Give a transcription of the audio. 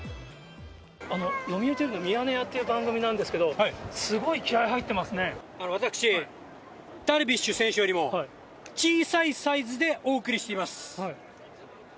読売テレビのミヤネ屋っていう番組なんですけれども、すごい私、ダルビッシュ選手よりも小さいサイズでお送りしています。